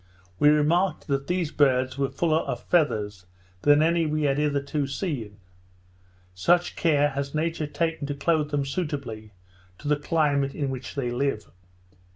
We remarked that these birds were fuller of feathers than any we had hitherto seen; such care has nature taken to clothe them suitably to the climate in which they live.